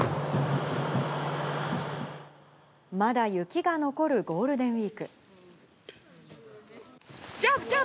まだ雪が残るゴールデンウィーク。